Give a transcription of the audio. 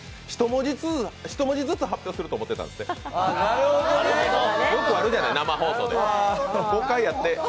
１文字ずつ発表すると思ってたんですって。